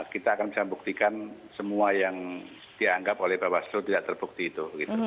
kita akan bisa membuktikan semua yang dianggap oleh bawaslu tidak terbukti itu